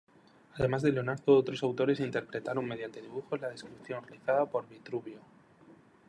Además de Leonardo, otros autores interpretaron mediante dibujos la descripción realizada por Vitruvio.